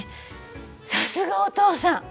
さすがお父さん！